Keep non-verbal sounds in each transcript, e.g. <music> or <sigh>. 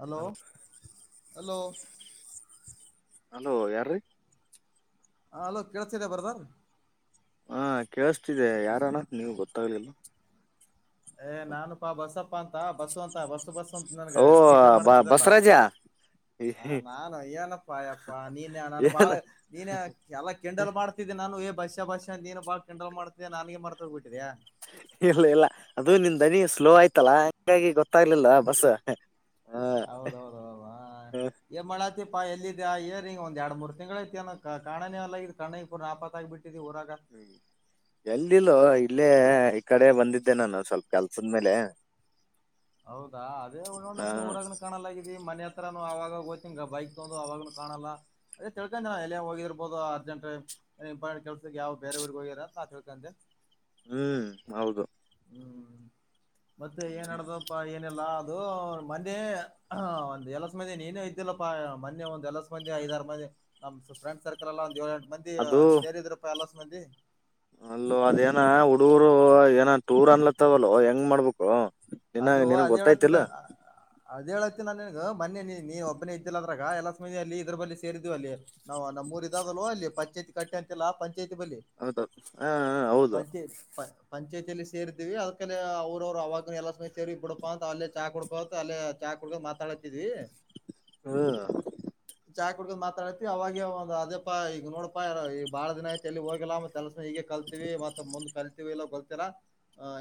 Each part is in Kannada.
ಹಲೋ ಹಲೋ ಹಲೋ ಯಾರ್ರೀ <inaudible> ಹ ಅಲೋ ಕೇಳತಿದೆ ಬರ್ದಾರ್ ಹಾ ಕೇಳಿಸತಿದೆ ಯಾರಾನ ನೀವು್ ಗೊತ್ತಾಗ್ಲಿಲ್ಲ ಏ ನಾನಪಾ ಬಸ್ಪ್ಪಾ ಅಂತ ಬಸ್ಸು ಅಂತ ಬಸ್ಸ ಬಸ್ ನನ್ಗ ಓ ಕೀಟ್ಲೆ ಬ ಮಾಡ್ತಿದ್ದಲ್ಲ ಬಸರಾಜ ಆ ಏನ್ ನಾನು ಏನಪ್ಪಾ ಅಯ್ಯಪ್ಪಾ ನೀನ್ ನಾನು ಬಾಳ ನೀನ್ ಎಲ್ಲ ಕೆಂಡಲ್ ಮಾಡ್ತಿದ್ದೆ ನಾನು ಬಸ ಬಷಾ ನೀನು ಬಾ ಕಿಂಡಲ್ ಮಾಡತಿದೆ ನನ್ಗೆ ಮರ್ತ ಹೋಗ್ಬಟ್ಟೀಯ ಇಲ್ಲ ಇಲ್ಲ ಅದು ನಿನ್ ದನಿ ಸ್ಲೋ ಆಯ್ತಲ್ಲಾ ಹಂಗಾಗಿ ಗೊತ್ತಾಗ್ಲಿಲ್ಲ ಬಸ್ ಹ ಹೌದೌದ ಹೌದಾ ಎ ಮಳತಿ ಾ ಎಲ್ಲಿದೆ ಆ ಇಯರ್ಂಗ ಒಂದ ಎರ ಮೂರು ತಿಂಗಳ ಐತಿ ಅ ಕಾಣೇ ಎಲ್ಲ ಇದ ಕಣ್ಣೂರ್ ನಾಪತ್ತ ಆಗಬ ಬಿಟ್ಟು ಹ್ಮ ಎಲ್ಲಿಲ್ಲ ಇಲ್ಲ ಈ ಕಡೆ ಬಂದಿದ್ದೆ ನಾನು ಸ್ವಲ್ಪ ಕೆಲ್ಸದ ಮೇಲೆ ಹೌದಾ ಅದೇ ನೋಡ್ಲ ನಾ ನೀವು ಊರಾಗನ ಕಾಣಲ್ಲಾಗಿದ ಮನ ಆ ಅವವಾಗ ಗೊ್ಿಂಗ ಬೈಕ್ ತಗೊಂಡಂದು ಅವವಾಗನು ಕಾಣಲ್ಲ ಅದೇ ತಿಳ್ಕೊಂಡೆ ನಾ ಎಲ್ಲಿ ಹೋಗಿರ್ಬಹದು ಅರ್ಜೆಂಟ್ ಇಂಪಾರ್ಟಟ್ ಕೆಲ್ಸ ಯಾವ್ ಬೇರೆವಊ್ರಗ್ ಹೋಗಿರ ನಾ ತಿಳ್ಕೊಂಡೆ ಹ್ಮ್ ಹೌದು ಹ್ಮ್ ಮತ್ತೆ ಹ್ಮ್ ಏನ್ಡತಪ್ಪ ಏನೆಲ್ಲಾ ದು ಮನೆ ಒಂದ್ ಎಲಸ ಮಂದಿ ನೀನೇ ಇದ್ದಿಲ್ಲಪ್ಪ ಮನೆೆ ಒಂದಂದು ಎಲಸ್ ಮಂದಿ ಐದಾರು ಮಂದಿ ನಮ್ ಫ್ರೆಂಡ್ ಸರ್ಕಲ್ ಎಲ್ಲ ಒಂದು ಏಳ ಮಂದಿ ಸೇರಿದ್ರಪ್ಪ ಎಲ್ಲ ಮ ಅಲ್ಲೂ ಅದೇನ ಹುಡುೂರು ಏನ ಟೂರ್ ಅನ್ಲತ್ತವಲ್ಲ ಹೆಂಗ್ ಮಾಡ್ಬೇಕು ನನ್ನ ನಿನಗ್ ಗೊತ್ತಾಯ್ತಿಲ್ಲ ಅದ ಹೇಳತ್ತ ನಾನ ನಿನ್ ಮೊೆ ನೀ ಒಬ್ಬನೇ ಇದ್ದಿಲ್ಲ ಅಂದ್ರಾಗ ಎಲ್ಲ ಸ ಅಲ್ಲಿ ಇದ್ರ ಬಲ್ಲಿಿ ಸೇರಿದ್ವಿ ಅಲ್ಲಿ ನಾವು ನಮ್ಮ್ೂರ್ ಇದ್ದದಲ್ಲು ಅಲ್ಲಿ ಪಂಚಾಯತಿ ಕಟ್ಟಿ ಅಂತಿಲ್ಲಾಂ ಆ ಹಾ ಹೌದು ಪಂಚಾಯ ಪಂಚಾಯತಿಯಲ್ಲಿ ಸೇರ್ಿದೀವಿ ಅದ್ಕ ಅವ್ರವರು ಅವಾಗ ಎಲ್ಲ ಸೇರಿ ಬಿಡಪಾ ಅಂತ ಅಲ್ಲೇ ಚಾ ಕುಡ್ಕತ್ ಅಲ್ಲೇ ಚಾ ಕುಡ್ಕೋ ಮಾತಾಡತಿದ್ವಿ ಹ್ಮ ಚಾ್ ಕುಡಕ್ ಮಾತಾಡತಿ ಅವಾಗ ಒ್ ಅದೇಪಾ ಈಗ ನೋಡಪಾ ಯಾರ ಈ ಬಾಳ ದಿನ ಐತಿ ಎಲ್ಲಿ ಹೋಗಲ್ಲ ಮತ್ತ ಕೆಲಸ ಹೀಗೆ ಕಲ್ತೀವಿ ಮತ್ತೆಂದ್ ಕಲ್ತತಿವಿ ಇಲ್ಲ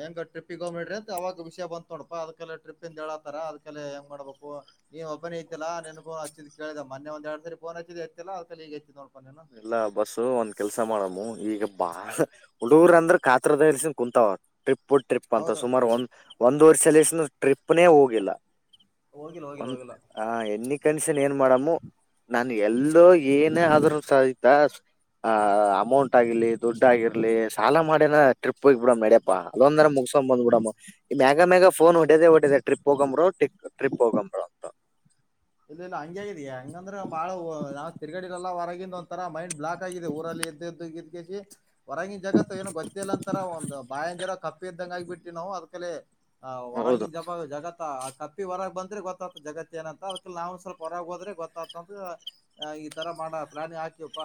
ಹೆಂಗ ಟ್ರಿಿಗೆಗೋಗ್ಡ್ರಿ ಅಂತ ಆಾಗಷ ಬಂದ ನೋಪ ಅದಕ ಟ್ರಿಪ್ ಇಂದ ಹೇಳತಾರ ಅದಕೇ ಹೆಂಗ ಮಾಡ್ಬೇಕು ನೀನ್ ಒಬ್ಬೇ ಇಐ ಇಲ್ಲ ನನ್ಗು ಹಚ್ಚಿದ ಕೇಳಿದೆ ಮೊೆ ಒಂದ ಎರಡ್ ಸರಿ ಬೋನ್ ಹಚ್ಚಿದ್ ಎತ್ತಿಲ್ಲ ಅದಕಲ್ಲಿ ಈಗ ಎಚ್ಚಿದ ನೋ ಇಲ್ಲ ಬಸ್ಸು ಒಂದ್ ಕೆಲ್ಸ ಮಾಡಮ್ಮ ಈಗ ಬಾಳ ಹುಡುಗರ ಅಂದ್ರ ಕಾತ್ರದ ಇಲ್ಸನ್ ಕುೂಂತ ಅವ ಟ್ರಿಪ್ ಟ್ರಿಪ್ ಅಂತ ಹೌದು ಸುಮಾರು ಒಂದು ಒಂದ್ವರ್ ಸಲಸ ಟ್ರಿಪ್ನೇ ಹೋಗಿಲ್ಲ ಒನ್ ಹ ಎ ಕಂಡಷನ್ ಏನ್ ಮಾಡಮ್ಮ ನಾನ ಎಲ್ಲೋ ಏನ ಆದ್ರ ಆ್ತ ಅ ಅಮೌಂಟ್ ಆಗಿಲಿ ದುಡ್ ಆಗಿರ್ಲಿ ಸಾಲ ಮಾಡೇನ ಟ್ರಿಪ್ ಹೋಗಿ ಬಿಡಮ್ ಯಡ್ಯಪಾ ಅದೊಂದನ ಮುಗಸಕೊಂಡ್ ಬಂದ್ ಬಿಡಮ್ ಮೇಘ ಮೇಗ ಫೋನ್ ಹೊಡೇದೆ ಹೊಡದ ಟ್ರಿಪ್ ಹೋಗಂಬರು ಿ ಟ್ರಿಪ್ ಹೋಗಂಬರು ಅಂತ ಇಲ್ಲ ಇಲ್ಲ ಹಂಗ ಆಗಿದ ಹಂಗಂದ್ರ ಬಾಳ ನಾವ್ ತಿಗಡಿರಲ್ಲ ಹೊರಗಂದು ಒಂಥರ ಮೈಂಡ್ ಬ್ಲಾಕ್ ಆಗಿದೆ ಊರಲ್ಲಿ ಎದ್ದು ಎದ್ದು ಇದ್ಗಿಸಿಿ ಹೊರಂಗಿಿನ ಜಗತ್ ಏನೋ ಗೊತ್ತಿಲ್ಲ ಅಂತಾರ ಒಂದು ಬಾಯಂದಿರ ಕಪ್ಪಿ ಇದ್ದಂಗ ಆಗಬಿಟ್ಟಿ ನಾವು ಅದಕಲ್ಲಿ ಹ ಹೌದ ಹೊರಾಂಗಿಿನ ಜಬ ಜಗತ್ತಾ ಅಪ್ಪಿ ಹೊರಗ ಬಂದ್ರ ಗೊತ್ತಾಯ್ದು ಜಗತ್ತ ಏನ ಅಂತ ನಾವ ಸ್ವಲ್ಪ ಹೊರಗೆ ಹೋದ್ರೆ ಗೊತ್ತಾತಂದ ಆ ಈ ತರ ಮಾಡ ಪ್ಲಾನಿ ಹಾಕಿವಪ್ಪ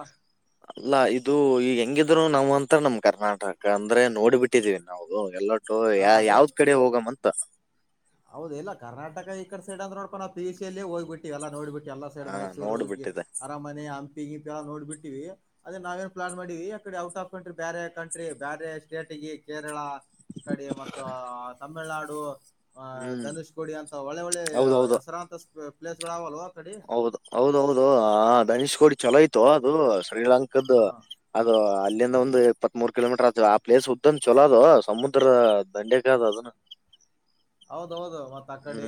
ಅಲ್ಲಾ ಇದು ಈ ಹೆಂಗಿದ್ರು ನಾವು ಅಂತ ನಮ್ ಕರ್ನಾಟಕ ಅಂದ್ರೆ ನೋಡಿಬಿಟ್ಟಿದೀವಿ ನಾವು ಎಲ್ಲ ಹಾ ಯ ಅದೇ ಯಾವ್ದ್ ಕಡೆ ಹೋಗಮ <unintelligible> ಹೌದ ಇಲ್ಲ ಕರ್ನಾಟಕ ಈಡ ಸೈಡ್ ಅದ ನೋಡ್ಪ ನಾ ಪಿಯುಸಿ ಯಲ್ಲಿ ಹೋಗ್ಬಿಟ್ಟಿ ಎಲ್ಲ ನೋಡಿ ಬಿಟ್ಟು ಎಲ್ಲಾ ಸೈಡ್ ಹಾ ಮೈಸೂರು ನೋಡ್ಬಿಟ್ಟಿದೆ ಅರಮನೆ ಹಂಪಿ ಗಿಂಪಿ ನೋಡ್ ಬಿಟ್ಟಿವಿ ಅದನ್ನ ನಾವೇನ್ ಪ್ಲಾನ್ ಮಾಡಿವಿ ಅಕಡೆ ಔಟ್ ಆಫ್ ಕಂಟ್ರಿ ಬೇರೆ ಕಂಟ್ರಿ ಬೇರೆ ಸ್ಟೇಟ್ಗ ಕೇರಳ ಈ ಕಡೆ ಮತ್ತು ತಮಿಳುನಾಡು. ದೋ ಆಹ ಹ್ಮ್ ಧನುಷ್ ಗೋಡಿ ಅಂತ ಒಳ್ಳೆ ಒಳ್ಳೆ ಹೌದೌದು ಹೆಸರಾಂತ ಪ್ಲೇಸ್ ಅವ ಅಲ್ಲೋ ಹೌದು ಹೌದೌದು ಧನುಷ್ ಕೋಡಿ ಚಲೋ ಆಯಿತೋ ಅದು ಶ್ರೀಲಂಕ್ದ ಹ ಅದು ಅಲ್ಲಿ ಒಂದು ಇಪ್ಪತ್ತ್ ಮೂರ್ ಕಿಲೋಮೀಟರ್ ಆ ಆ ಪ್ಲೇಸ್ ಉದ್ದನ್ ಚೊಲೋದು ಸಮುದ್ರದ ದಂಡೆಗದು ಅದುನು ಹೌದೌದು ಮತ್ತ ಆ ಕಡೆ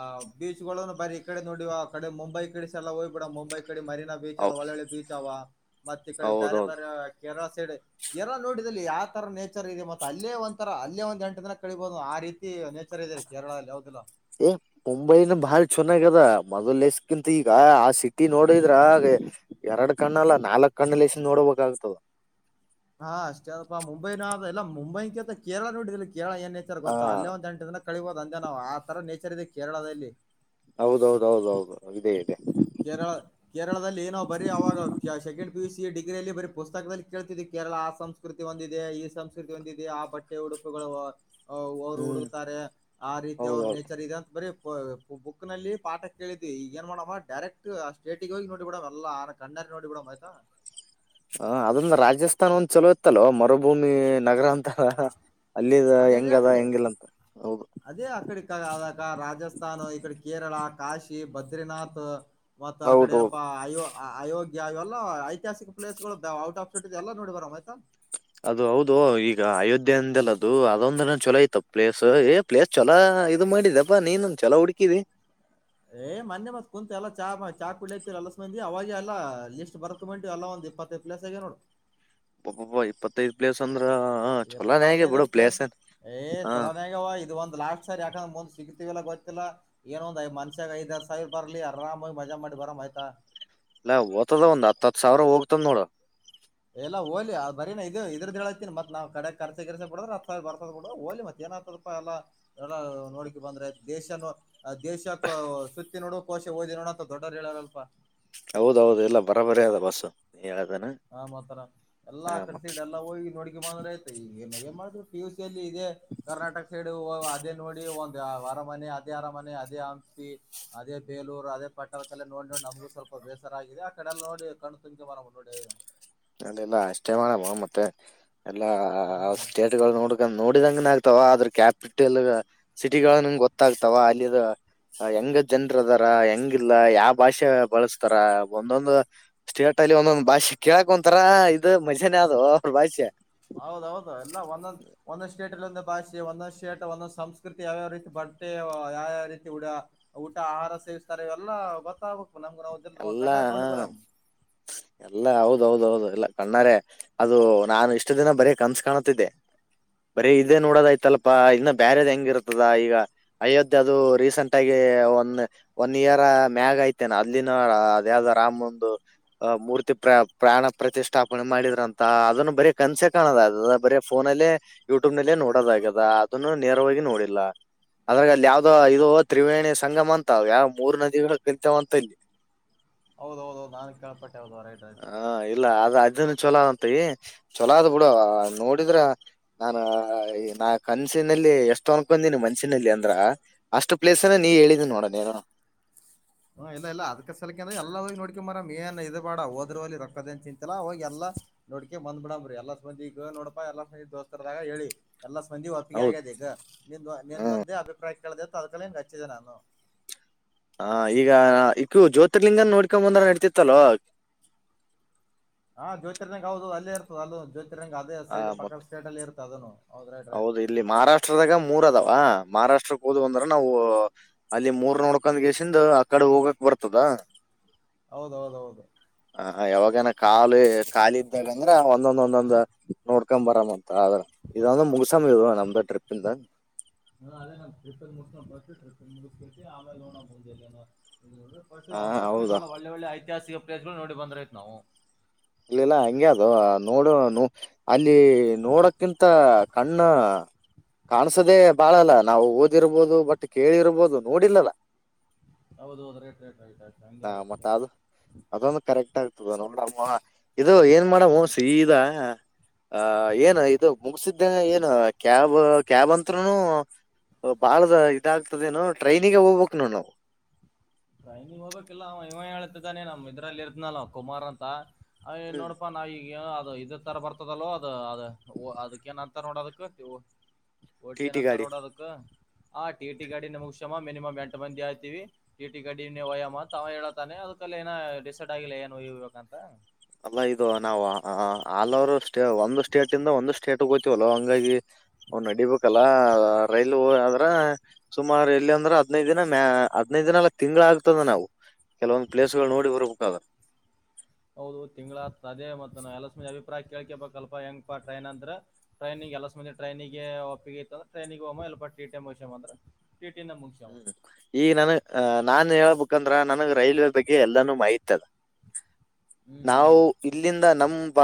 ಆ ಬೀಚ್ ಬಾರಿ ಈ ಕಡೆ ನೋಡಿವ ಆ ಕಡೆ ಮುಂಬೈ ಕಡಿಸ ಎಲ್ಲ ಹೋಗ್ಬ ಬಿಡಮ ಮುಂಬೈಗ ಈಡೆ ಮರಿನಾ ಬೀಚ್ ಅಲ್ಲ ಹೌ- ಒಳ್ಳೆ ಒಳ್ಳೆ ಬೀಚ್ ಅವ ಮತ್ತೆ ಕಡೆ ಬೇರೆ ಹೌದೌದು ಬೇರೆ ಕೆೇರಳ ಯರ ನೋಡಿದಲ್ಲಿ ಯಾತರ ನೇಚರ ಇದೆ ಮತ ಅಲ್ಲೇ ಒಂದ ರ ಅಲ್ಲೇ ಒಂದ ಎಂಟು ದಿನ ಕಳಿಬಹದು ಆ ರೀತಿೆ ಇದಾರೆ ಕೇರಳ ಅಲ್ಲಿ ಹೌದ ಇಲ್ಲೋ ಏ ಮುಂಬೈನ ಬಾಳ ಚಲೋಗ್ಯದ ಮೊದ್ಲ್ಸಕಿಂತ ಈಗ ಆ ಸಿಟಿ ನೋಡಿದ್ರ ಎರಡ್ ಕಣ್ಣ ಅಲ್ಲ ನಾಲ್ಕ್ ಕಣ್ಣ ಲಸ ನೋಡ್ಬೇಕ ಅನ್ಸ್ತುದು ಹಾ ಅಷ್ಟೇ ಅದಪ್ಪಾ ಮುಂಬೈನ ಆದ ಇಲ್ಲ ಮುಂಬೈಕ ಅಂತ ಕೇರಳ ನೋಡೋದಿಲ್ಲ ಕೇರಳ ಏನ್ ನೇಚರ ಗೊತ್ತ ಹಾ ಅಲ್ಲ ಒಂದೆಂಟ್ ದಿನ ಕಳಿಬಹುದು ಅಂದೇ ನಾ ಆ ತರ ನೇಚರ್ ಚರ ಇದೆ ಕೇರಳದಲ್ಲಿ ಹೌದೌದೌದೌದು ಇದೇ ಇದೆ ಕೇರಳ ಪಿಯುಸಿ ಡಿಗ್ರಿಲ್ಲಿ ಬರೀ ಪುಸ್ತಕದಲ್ಲಿ ಕೇಳ್ತಿದವಿ ಕೇರಳ ಆ ಸಂಸ್ಕೃತಿ ಒಂದಿದೆ ಈ ಸಂಸ್ಕೃತಿ ಒಂದಿದೆ ಆ ಬಟ್ಟೆ ಉಡುಪುಗಳು ಅವ್ರು ಹ್ಮ್ ಹುಡುಕ್ತಾರೆ ಆ ರೀತಿ ಅವ್ರ ಹೌದೌದು ನೇಚರ್ ಇದೆ ಅಂತ ಬರೀ ಬುಕ್ ನಲ್ಲಿ ಪಾಠ ಕೇಳಿದ್ವಿ ಈ ಏನ್ ಮಾಡವ ಡೈರೆಕ್ಟ್ ಆ ಸ್ಟೇಟಗ ಹೋಗಿ ನೋಡಿ ಬಿಡದ ಎಲ್ಲಾ ಆ ಕಣ್ಣರಿ ನೋಡಿಬ ಬಿಡವ ಆಯ್ತಾ ಹ ಅದೊಂದು ರಾಜಸ್ಥಾನ ಒಂದ್ ಚಲೋ ಇತ್ತಲ್ವಾ ಮರುಭೂಮಿ ನಗರ ಅಂತ ಹ ಅಲ್ಲಿದ ಅದೇ ಅದೇ ಹೆಂಗದ ಆಕಡೆ ಹೆಂಗಿಲ್ಲ ಅಂತ ಹೌದು ಅದೇ ಆಕಡೆ ಅದ ರಾಜಸ್ಥಾನು ಈಕಡೆ ಕೇರಳ ಕಾಶಿ ಬದ್ರಿನಾಥ್ ಮತ್ತತ್ ಆ ಕಡೆ ಹೌದೌದು ಏನಪ್ಪಾ ಆಯೋ ಅಯೋಗ್ಯ ಇವೆಲ್ಲ ಐತಿಹಾಸಿಕ ಪ್ಲೇಸ್ ಗಳು ಔಟ್ ಆಫ್ ಸ್ಟಿ ಎಲ್ಲ ನೋಡಿ ಬರಮ ಆಯ್ತಾ. ಅದು ಹೌದು ಈಗ ಅಯೋಧ್ಯೆ ಅಂದಲ ಅದು ಅದೊಂದ ಚಲೋ ಇತ್ತು ಪ್ಲೇಸ್ ಏ ಪ್ಲೇಸ್ ಚಲೋ ಇದು ಮಾಡಿದಪ್ಪಾ ನೀನ್ೊಂದ ಚಲೋ ಹುಡುಕಿದಿ ಏ್ ಮೊನ್ನೆ ಮತ್ ಕುಂತ ಎಲ್ಲ ಚಾ ಚಾ ಕುಡ್ಲತಿ ಎಲ್ಲಂದಿ ಅವಾಗೆ ಎಲ್ಲಾ ಲಿಸ್ಟ್ ಬರ್ಕ ಬಿಟು ಎಲ್ಲಾ ಒಂದ ಇಪ್ಪತ್ತೈ ಪ್ಲೇಸ್ ಆಗಿ ನೋಡು ಇಪ್ಪತ್ತೈದು ಪ್ಲೇಸ್ ಅ್ರ ಎಪ್ಪತ್ತೈದು ಪ್ಲಸ್ ಏ್ ಹ ಚೊಲನಾಗವಾ ಇದು ಒಂದ್ ಲಾಸ್ಟ್ ಸರಿ ಹಂಗ್ ಮುಂದ್ ಸಿಗ್ತಿವಲ್ಲ ಗೊತ್ತಿಲ್ಲಾ ಏನೊಂದ್ಐ ಮನ್ಷ್ಯಾಗ ಐದ್ದ್ ಸಾವಿರ್ ಬರ್ಲಿ ಆರಾಮೋಗಿ ಮಜಾ ಮಾಡಿ ಬರಾಮ ಆಯ್ತಾ ಇಲ್ಲ ಓ್ತದ ಒಂದ್ ಹತ್ತ ಹತ್ ಸಾವಿರ ಹೋಗ್ತದ ನೋಡ ಎಲ್ಲಾ ಹೋಲಿ ಅ ಬರೀನ ಇ ಇದದು ಇದ್ರದ ಹೇಳತಿನಿ ಮತ್ ನಾವ್ ಕಡೆ ಕರ್ಸೆ ಕೆರ್ಸೆ ಬಿಡದ್ರ ಹತ್ ಸಾವಿ ಬರ್ಸ ಬಿಡ್ರ ಹೋಲಿ ಮತ್ ಏನತಪ್ಪ ಎಲ್ಲಾ ಎಲ್ಲ ನೋಡಕಿ ಬಂದ್ರ ದೇಶ ಆ ದೇಶಕ್ಕ ಸುತ್ತಿ ನೋಡು ಕೋಶ ಹೋದಿ ನೋಣ ದೊಡರು ಹೇಳಾರಲ್ಪ ಹೌದೌದು ಎಲ್ಲ ಬರಾಬರಿ ಅದ ಬಸ್ು ಹ ಮಾತ್ರರ ಎಲ್ಲಾ ಮತ್ತ ಕರ್ಸಡ್ ಎಲ್ಲಾ ಹೋಗಿ ನೋಡ ಬಂದ್ರ ಆಯ್ತ ಈಗ ಏ ಏನ್ ಮಾಡಿದ್ರು ಪಿ ಯು ಸಿ ಅಲ್ಲಿ ಇದೇ ಕರ್ನಾಟಕ ಸೈಡ್ ಅದೇ ನೋಡಿ ಒ ಅರಮನೆ ಅದೇ ಅರಮನೆ ಅದೇ ಹಂಪಿ ಅೇಲೂರ್ ಅದೇ ಪಟ್ಟದಲ್ಲ ನೋಡ್ ನೋಡಿ ನಮಗೂ ಸ್ವಲ್ಪ ಬೇಸರ ಆಗಿದೆ ಆ ಕಡೆಲ್ಲ ನೋಡಿ ಕಣ್ತು ಮರ ನೋಡಿ ಅದಲ್ಲ ಅಷ್ಟೇ ಮಾಡಬ ಮತ್ತೆ ಎಲ್ಲಾ ಹ್ಮ್ ಸ್ಟೇಟ್ ನೋಡ ನೋಡಿದಂಗನ ಆಗ್ತಾವ ಅದ್ರ ಕ್ಯಾಪಿಟಲ್ ಸಿಟಿಗಳಂಗ ಗೊತ್ತಾಗ್ತಾವ ಅಲ್ಲಿ ಹೆಂಗ ಜನ್ರ ಅದಾರ ಹೆಂಗ ಇಿಲ್ಲ ಯಾವ ಭಾಷೆ ಬಳಸ್ತಾರ ಒಂದೊಂದು ಸ್ಟೇಟ್ ಅಲ್ಲಿ ಒಂದೊಂದು ಭಾಷೆ ಕಕ್ ಹೊಂತರ ಇದು ಮಜೇಾನೇ ಅದು ಅವ ಬಾಯ್ಸಿಯ ಒಂದು ಭಾಷೆ ಒಂದೊಂದು ಶೇಟ್ ಒಂದೊಂದು್ ಸಂಸ್ಕೃತಿ ಯಾವ್ಯಾವ ರೀತಿ ಬಟ್ಟೆ ಯಾವ್ಯಾವ ರೀತಿಊ ಊಟ ಆಹಾರ ಸೇವಿಸ್ತಾರೆ ಇವೆಲ್ಲ ಮತ್ತ ಎಲ್ಲಾ ಎಲ್ಲಾ ಹೌದು ಹೌ ಹೌದೌದು ಇಲ್ಲ ಕಣ್ಣಾರೆ ಅದು ನಾನು ಇಷ್ಟ ದಿನ ಬರೀ ಕನ್ಸ ಕಾಣತಿದ್ದೆ ಬರೀ ಇದೇ ನೋಡೋದಯ್ತಲ್ಲಪಾ ಇನ್ನ ಬ್ಯರೆದ್ ಹೆಂಗ ಇರುತದ ಈಗ ಅಯೋಧ್ಯೆ ಅದು ರೀಸೆಂಟ್ ಆಗ ಒನ್ ಒನ್ ಇಯರ್ ಮ್ಯಾಗ ಐತೆೇನೆ ಅಲ್ಲಿನ ಅದ ಯಾವ್ದ ರಾಮ್ ಒಂದು ಮೂರ್ತಿ ಪ್ರ ಪ್ರಾಣ ಪ್ರತಿಷ್ಠಾಪನೆ ಮಾಡಿದ್ರಂತ ಅದನ್ನು ಬರೀ ಕನಸೆ ಕಾಣೋದದ ಬರ ಫೋನಲ್ಲೇ ಯೂಟ್ಯೂಬ್ ನಲ್ಲೇ ನೋಡೋದಾಗದ ಅದನ್ನು ನೇರವಾಗಿ ನೋಡಿಲ್ಲ ಅದ್ರ ಅಲ್ಲಿ ಯಾವ್ದೋ ಇದು ತ್ರಿವೇಣಿ ಸಂಗಮ ಅಂತ ಯಾವ ಮೂರು ನದಿಗಳು ಕಿತವು ಅಂತ ಇಲ್ಲಿ ಹೌದೌದೌದು ನಾನ್ ಕಪಟ್ಟ ರತ ಅನ್ ಚೊಲೋ ಅಂತ ಈ ಚಲೋ ಅದ್ ಬಿಡು ನೋಡಿದ್ರ ನಾನ ನಾ ಕನ್ಸಿನಲ್ಲಿ ಎಷ್ಟು ಅನ್ಕನಿ ಮನ್ಸಿನಲ್ಲಿ ಅಂದ್ರ ಅಷ್ಟು ಪ್ಲೇಸ್ ಅನ ನೀ ಹೇಳಿದೀನಿ ನೋಡೋಣನ ಹ ಇಲ್ಲ ಇಲ್ಲ ಅದಕ ಸಲಕ ಅ್ರ ಎಲ್ಲ ಹೋಗ ನೋಡ್ಕೊ ಮರ ಮೇನ್ ಡ ಓದ್ರೋಿ ರೊಕ್ಕದ ಚಿ ಇಲ್ಲಾ ಹೋಗಿ ಎಲ್ಲಾ ನೋಡ್ಕೆ ಬಂದ್ ಬಿಡಂಬಿ ಎಲ್ಲ ಸಂಬಂದಿಗ ನೋಡಪಾ ಎಲ್ಲಾ ಸಂಂದ ದೋಸ್ತರದಾಗ ಹೇಳಿ ಎಲ್ಲಾ ಸ್ಪಂದಿ ಒಪ್ಪಿಗೆಿ ಹೌದು ಆಗ್ಯದ ಈಗ ನಿ ಹ್ಮ್ ನಿಂದೊಂದೇ ಅಭಿಪ್ರಾಯ ಳ ತೊಕಳ ಕಚ್ಚಿದೆ ನಾನು ಹ ಈಗ ಈಕೂ ಜ್ಯೋತಿರ್ಲಿಂಗನ ನೋಡ್ಕೊ ಬಂದ್ರ ನಡ್ತಿತ್ತಲ್ ಹಾ ಜ್ಯೋತಿರ್ನಗ್ ಹೌದು ಅಲ್ಲೇ ಇರ್ತದೆ ಅ ಜ್ಯೋತಿ ಅದು ಆ ಸೈಡ್ ಮತ್ ಪಕ್ಕದ ಸ್ಟೇಟಲ್ಲಿರುು ತದನು ಹೌದು ಇಲ್ಲಿ ಮಹಾರಾಷ್ಟ್ರದಾಗ ಮೂರ ಅದಾವ ಮಹಾರಾಷ್ಟ್ರ ಓದ ಅಂದ್ರ ನಾವು ಅಲ್ಲಿ ಮೂರ್ ನೋಡ್ಕೊಂಡ್ ಗೇಸಿಂದ ಆ ಕಡೆ ಹೋಗಕ್ ಬರ್ತದ ಹೌದೌದೌದು ಹ ಹ ಯಾವಾಗಏನ ಕಾಾಲ ಕಾಲ ಇದ್ದಾಗ ಅಂದ್ರ ಒಂದೊಂದ ಒಂದೊಂದ್ ನೋಡ್ಕೊ್ ಬರ ಮ ಇದ ಒಂದು ಮುಗಸಾಮಿ ಇ ನ್ದ ಟ್ರಿಪ್ ಇಿಂದ ನಾ ಅೇ ನಾ ಟ್ರಿಪ ಮು ಬ ಟ್ರಿ ಮುುಟ್ಟಿ ಆಮಲೆ ೋಣ ಮುಂದಲ್ಲನ ಹ ಔಟ್ ಆಫ್ ಹೌದಾ ಸೇಟ್ಲ್ಲ ಒಳ್ಳೆ ಒಳ್ಳೆ ಐತಿಹಾಸಿಕ ಪ್ಲೇಸ್ ಗಳು ನೋಡಿ ಬಂದ್ರೈತ್ ನಾವು ಇಲ್ಲಿಲ್ಲ ಹಂಗಗೆ ಅದು ನೋಡು ಅಲ್ಲಿ ನೋಡಕ್ಕಿಂತ ಕಣ್ಣ ಕಾಣಸದೆೇ ಬಾಳಲ್ಲ ನಾವು ಓದಿರ್ಬೋದು ಬಟ್ ಕೇಳಿರ್ಬೋದು ನೋಡಿಲ್ಲಲ್ಲ ಹೌದು ಹೌದು ರೈಟ್ ರೈಟ್ ರೈಟ್ ರೈಟ್ ಹಂಗೆ ಹಾ ಅದಷ್ಟೇ ಮತ್ತೆ ಅದು <inaudible> ಅದೊಂದು ಕರೆಕ್ಟ್ ಆಗ್ತದ ನೋಡ್ರಮ್ಮ ಇದು ಏನ್ ಮಾಡೇಡ್ ಸಿದ ಹ ಏನು ಇದು ಮುಗಸಿದ್ದೇನೆ ಏನು ಕ್ಯಾಬ್ ಕ್ಯಾಬ್ ಅಂತರುನು <inaudible> ಬಾಳ ಇದಾಗ್ತಾದೇನು ಟ್ರೈನಿಗೆ ಹೋಗ್ಬೇಕು ನಾವು ಟ್ರೈನಿಗೆ ಹೋಗ್ಬೇಕಿಲ್ಲಾ ಅವ ಇವನ ಹೇಳ್ತಿದ್ದಾನೆ ನಮ್ ಇದ್ರಲ್ಲಿ ಇರ್ದ್ನಲ್ ಕುಮಾರ್ ಅಂತ ಹಾಯ್ ಹ್ಮ್ ನೋಡಪಾ ಈಗ ಅದು ಇದ ತರ ಬರ್ತದಲ್ಲೊ ಅದು ಅದ ಅದಕ್ಕೇನಂತರಾ ನೋಡ್ ಅದಕ್ಕ ಟಿ ಓಟಿಯನ್ ಟಿ ಅಂತರ ಗಾಡಿ ನೋಡು ಅದಕ್ಕ ಆ ಟಿ ಟಿ ಗಾಡಿ ನಮ್ ಕ್ಷಮ ಮಿನಿಮಮ್ ಎಂಟ ಮಂದಿ ಆಯ್ತಿವಿ ಟಿ ಟಿ ಗಡಿ ಹೊಯ್ಬೇಕು ತ ಹೇಳತಾನೆ ಅದಕಲ್ಲ ಏನ ಡಿಸೈಡ್ ಆಗಿಲ್ಲ ಏನು ಹೋಯ್ಯಬೇಕ ಅಂತ ಅಲ್ಲಾ ಇದು ನಾವು ಆಲ್ ಓವರ್ ಸ್ಟೇಟ್ ಒಂದು ಸ್ಟೇಟ್ದಿಂದ ಒಂದು ಸ್ಟೇಟ್ ಹೋತೀವಲ್ ಹಂಗಾಗಿ ಅವ್ ನಡಿಬೇಕಲ್ಲ ರೈಲ್ ಆದ್ರ ಸುಮಾರು ಎಲ್ಲಿ ಅಂದ್ರ ಹದ್ನೈದ ದಿನ ಹದ್ನೈದ ದಿನಲ್ಲ ತಿಂಗಳ ಆಗ್ತದ ನಾವು ಕೆಲವೊಂದ್ ಪ್ಲೇಸ್ಗಳು ನೋಡಿ ಬರ್ಬೇಕಾದ್ರ ಹೌದು ತಿಂಗಳತದೆ ಮತ್ತ ಎಲ್ಲಸ್ ಮಂದಿ ಅಭಿಪ್ರಾಯ ಕೇಳ್ಕೇಬೇಕ ಅಲ್ಪ ಹೆಂಗಾ ಟ್ರೈನ್ಂದ್ರೆ ಟ್ರೈನಿಗೆ ಎಲ್ಲಸ್ ಮಂದಿ ಟ್ರೈನಿಗೆ ಒಪ್ಪಿಗೆ ಇತ್ತು ಟ್ರೈನಿಗೆ ಹೋಗಮ್ಮ <unintelligible> ಮುಗಿಸ್ಯಮ ಹ್ಮ್ ಈಗ ನಾನು ನಾನ್ ಹೇಳಬ ಯಾಕಂದ್ರ ನನಗ್ ರೈಲ್ವೆ ಬಗ್ಗೆ ಎಲ್ಲಾನು ಮಾಹಿತಿ ಅದ ಹ್ಮ್ ನಾವು ಹ್ಮ್ ಇಲ್ಲಿಂದ ನಮಂಬ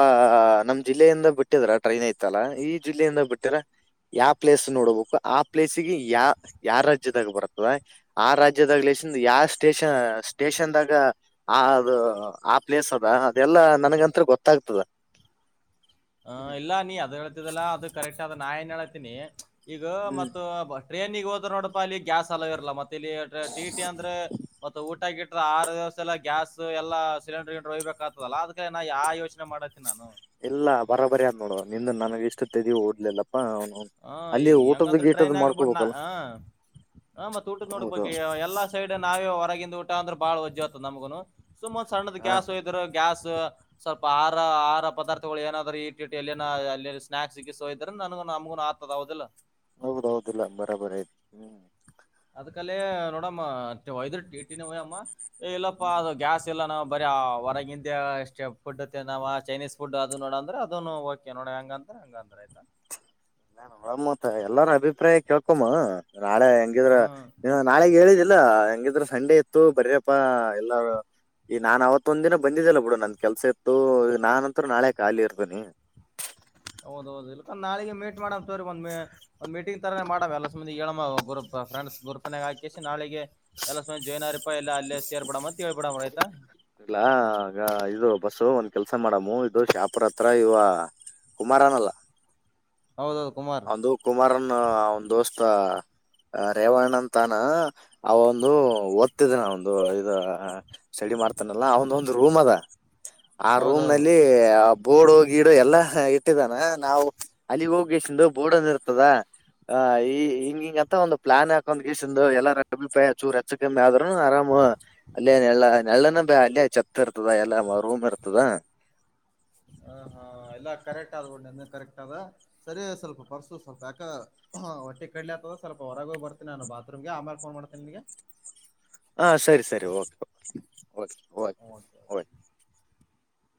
ನಮ್ ಜಿಲ್ಲೆಯಿಂದ ಬಿಟ್ಟಿದ್ರ ಟ್ರೈನ್ ಐತಲ್ಲ ಈ ಜಿಲ್ಲೆಯಿಂದ ಬಿಟ್ಟ್ರ ಯಾವ ಪ್ಲೇಸ್ ನೋಡಬೇಕು ಆ ಪ್ಲೇಸ್ಗೆ ಯಾರ್ಯ ರಾಜ್ಯದಾಗ ಬರ್ತದ ಆ ರಾಜ್ಯದಾಗ್ಲನ್ ಯಾವ ಸ್ಟೇಷನ್ ಸ್ಟೇಷನ್ದಾಗ ಆ ಅದು ಆ ಪ್ಲೇಸ್ ಅದ ಅದೆಲ್ಲಾ ನನ್ಗಂತ್ರ ಗೊತ್ತಾಗ್ತದ ಹಾ ಹ್ಮ್ ಎಲ್ಲಾ ನೀ ಅದು ಹೇಳ್ತದಲ್ಲಾ ಅದು ಕರೆಕ್ಟ್ ಅದ ನಾ ಏನ್ ಹೇಳ್ತೀನಿ ಈಗ ಹ್ಮ್ ಮತ್ತ ಟ್ರೈನ್ ಹೋದ್ರೆ ನೋಡಾಲ್ಲಿ ಗ್ಯಾಸ್ ಅಲ್ಲೋ ಇರಲ್ಲ ಮತ್ತ್ ಟಿ ಟಿ ಅಂದ್ರೆ ಮತ್ತ ಊಟಗಿ ಆರು ದಿವಸ ಎಲ್ಲ ಗ್ಯಾಸ್ ಎಲ್ಲ ಸಿಲಿಂಡರ್ಂಡ್ ಹೋಯ್ಬೇಕಾಗ್ತದಲ್ಲ ಅದಕ್ಕೆ ನನ್ ಯಾ ಯೋಚನೆ ಮಾಡ ನಾನು ಬರೋಬರಿ ಆದ್ ನೋಡು ನಿನ್ ನನಗೆ ಇಷ್ಟು ಓಡಿಲಿಲ್ಲ ಹಾ ಈಗ ಹೆಂಗಂದ್ರೆ ಟ್ರೈನ್ ಆಗಬಿಟ್ಟ ಮಾಡ್ಕೋಬೇಕಲ್ಲ ಹಾ ಹಾ ಮತ್ತೆ ಊಟದ ಹೌದು ನೋಡ್ಬೇಕ ಎಲ್ಲಾ ಸೈಡ್ ನಾವೇ ಹೊರಗಿಂದ ಊಟ ಅಂದ್ರ ಬಹಳ ವಜ್ಜ ಆತ ನಮಗನು ಸುಮ್ಂದ್ ಸಣ್ಣದ ಹಾ ಗ್ಯಾಸ್ ಹೋದ್ರಾ ಗ್ಯಾಸ್ ಸ್ವಲ್ಪ ಆಹಾರಹ ಪದಾರ್ಥಗಳು ಏನಾದ್ರು ಇಟ್ಟಿಟ್ಟು ಎಲ್ಲಿ ಸ್ನಾಕ್ಸ್ ಇದ್ರ ನಮಗ ಆತದ ಹೌದಿಲೋ ಹೌದೌದಲ್ಲ ಬರಾಬರಿ ಆಯ್ತ ಹ್ಮ್ ಅಲ್ಲೋ ನೋಡಮ್ಮ ಹೊಯ್ದ್ರೆ ಟಿ ಟಿ ನೆ ಹೊಯಂ ಇಲ್ಲಪ್ಪಾ ಅದು ಗ್ಯಾಸ್ ನಾವು ಬರಿ ಹೊರಗ ಇಂದ ಅಷ್ಟ್ಟೇಡ್ ಫುಡ್ ನಾವ ಚೈನೀಸ್ ಫುಡ್ ಅದು ನೋಡಂದ್ರೆ ಅದ ಓಕೆ ನೋಡ ಹಂಗಂದ್ರ ಹಂಗಂದ್ರ ಆಯ್ತಾ ನಾ ಒತ್ ಎಲ್ಲಾರ ಅಭಿಪ್ರಾಯ ಕೇಳ್ಕೊಮ್ಮ ನಾಳೆ ಹೆಂಗಿದ್ರ ಹ್ಮ್ ನಾಳೆ ಹೇಳಿದ ಇಲ್ಲ ಹೆಂಗಿದ್ರ ಸಂಡೇ ಇತ್ತು ಬರಪ್ಪಾ ಎಲ್ಲ ಈ ನಾನ್ ಅವತ್ ಒಂದ ದಿನ ಬಂದಿದ್ದಲ್ಲ ಬಿಡು ನಂದ ಕೆಲ್ಸ ಇತ್ತು ನಾನಂತ ನಾಳೆ ಖಾಲಿ ಇರ್ತೇನಿ ಹೌದೌದು ಇಲ್ ನಾಳಿಗೆ ಮೇಟ್ ಮಾಡ ಸ ಒಂದ ಒ್ ಮೀಟಿಂಗ್ ತರೇ ಮಾಡ ಅಲ್ಲ ಏ ಹೋಗ ಗ್ರೂಪ್ ಫ್ರೆಂಡ್ಸ್ ಗ್ರೂಪ್ ನಾಗ ಹಾಕಿಸಿ ನಾಳೆಗೆ ಎಲ್ಲ ಸಮ ಜಾಯಿನ್ ಆ ಪ್ಪ ಎಲ್ಲಾ ಅಲ್ಲೇ ಸೇರ್ ಬಿಡಮ್ಮಂತೇಳ್ಬಿಡಮ್ಮ ಆಯ್ತಾ ಇಲ್ಲಾ ಈಗ ಇದು ಬಸ್ಸು ಒಂದ್ ಕೆಲ್ಸ ಮಾಡಮ್ಮ ಇದು ಶಾಪುರ ಹತ್ರ ಇವ ಕುಮಾರನಲ್ಲ ಹೌದೌದು ಕುಮಾರ್ ಒಂದು ಕುಮಾರನ್ ಒಂದು ದೋಸ್ತ್ ಮತ್ತ ರೇವಣ್ಣ ಅಂತಾನ ಅವ ಒಂದು ಓದ್ತಿದನ ಒಂದು ಇ ಸ್ಟಡಿ ಮಾಡ್ತಾನಲ್ಲ ಆ ಒಂದು ಒಂದು ರೂಮ್ ಅದ ಆ ರೂಮ್ ಹೌದೌದು ನಲ್ಲಿ ಬೋಡು ಗೀಡು ಎಲ್ಲಾ ಇಟ್ಟಿದ್ದಾನ ನಾವು ಅಲ್ಲಿಗೆ ಹೋಗಂದು ಬೋಡ್ ಒಂದ ಇರ್ತದ ಈ ಹಿಂಗಿಂಗ ಅಂತ ಒಂದು ಪ್ಲಾನ್ ಹಾಕೊಂಡ್ ಗೀಸಂದು ಎಲ್ಲಬಪ ಚೂರು ಹೆಚ್ಚು ಕಮ್ಮಿ ಆದ ಆರಾಮ ಅಲ್ಲೇ ನೆಳ್ಳ ನೆಳ್ಳನ ಬ ಅಲ್ಲೇ ಚಪ್ಪ ಇರ್ತದ ಎಲ್ಲ ಮ ರೂಮ್ ಇರ್ತದ ಹ ಹಾ ಎಲ್ಲ ಕರೆಕ್ಟ್ ಆದಬೋ ನಿ ಕರೆಕ್ಟ್ ಆದದ ಸರಿ ಸ್ವಲ್ಪ ಪರ್ಸು ಸ್ವಲ್ಪ ಯಾಕ ಹೊಟ್ಟೆ ಕಡ್ಲಿ ಆತದ ಸ್ವಲ್ಪ ಹೊರಗ ಬರ್ತನಿ ನಾನು ಬಾತ್ರೂಮ್ಗೆ ಆಮೇಲೆ ಫೋನ್ ಮಾಡ್ತೇನೆ ನಿಗೆ ಹಾ ಸರಿ ಸರಿ ಓಕೆ